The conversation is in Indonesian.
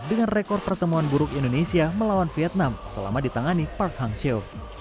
dengan rekor pertemuan buruk indonesia melawan vietnam selama ditangani park hangzhou